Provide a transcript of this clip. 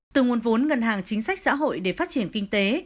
từ nguồn vốn ngân hàng chính sách xã hội để phát triển kinh tế